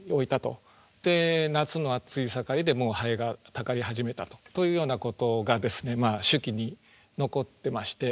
で夏の暑い盛りでもうハエがたかり始めたというようなことが手記に残ってまして。